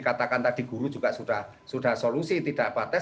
meskipun ada dikatakan tadi guru juga sudah solusi tidak apa tes